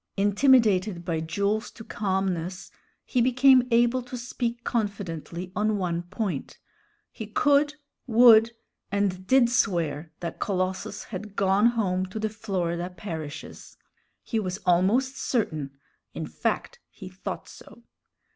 Intimidated by Jules to calmness, he became able to speak confidently on one point; he could, would, and did swear that Colossus had gone home to the Florida parishes; he was almost certain; in fact, he thought so.